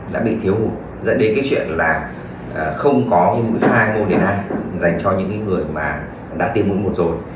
đã bị thiếu hụt dẫn đến cái chuyện là không có mũi hai moderna dành cho những cái người mà đã tiêm mũi một rồi